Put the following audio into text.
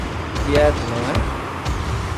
Quieto, não é?